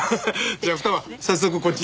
じゃあ二葉早速こっち。